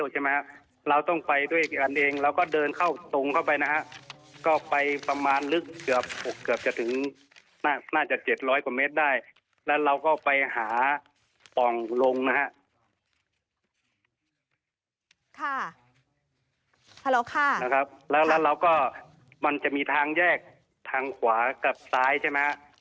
ฮัลโหลค่ะนะครับแล้วแล้วเราก็มันจะมีทางแยกทางขวากับซ้ายใช่ไหมค่ะ